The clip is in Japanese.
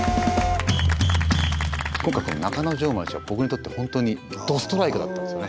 今回この中之条町は僕にとってほんとにどストライクだったんですよね。